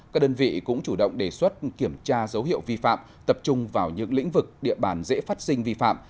các đơn vị cũng chủ động đề xuất kiểm tra dấu hiệu vi phạm tập trung vào những lĩnh vực địa bàn dễ phát sinh vi phạm